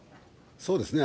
そうですね。